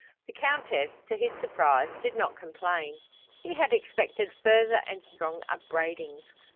The Countess, to his surprise, did not complain. He had expected further and strong upbraidings.